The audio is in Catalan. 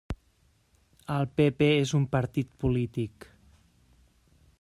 El PP és un partit polític.